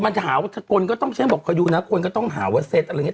มันจะหาว่าคนก็ต้องเช่นบอกเขาอยู่น่ะคนก็ต้องหาว่าเซ็ตอะไรอย่างเงี้ย